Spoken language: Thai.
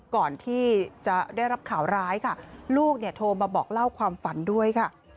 ก่อนที่จะได้รับข่าวร้ายค่ะลูกเนี่ยโทรมาบอกเล่าความฝันด้วยค่ะ